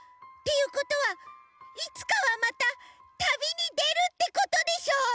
いうことはいつかはまた旅にでるってことでしょ！？